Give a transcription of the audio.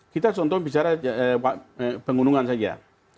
kita contoh bicara penggunungan saja